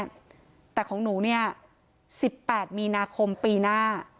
แม่แต่ของหนูเนี้ยสิบแปดมีนาคมปีหน้า